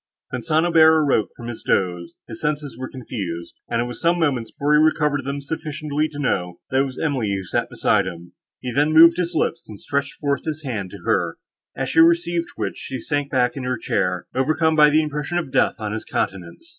When St. Aubert awoke from this doze, his senses were confused, and it was some moments before he recovered them sufficiently to know, that it was Emily who sat beside him. He then moved his lips, and stretched forth his hand to her; as she received which, she sunk back in her chair, overcome by the impression of death on his countenance.